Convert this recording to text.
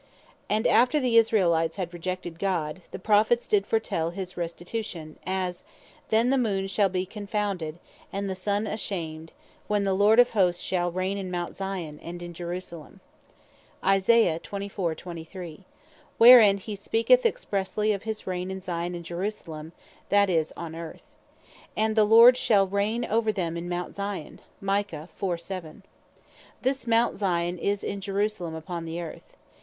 And after the Israelites had rejected God, the Prophets did foretell his restitution; as (Isaiah 24.23.) "Then the Moon shall be confounded, and the Sun ashamed when the Lord of Hosts shall reign in Mount Zion, and in Jerusalem;" where he speaketh expressely of his Reign in Zion, and Jerusalem; that is, on Earth. And (Micah 4.7.) "And the Lord shall reign over them in Mount Zion:" This Mount Zion is in Jerusalem upon the Earth.